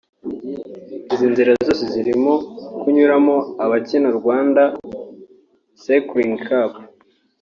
Izi nzira zose zirimo kunyuramo abakina Rwanda Cycling Cup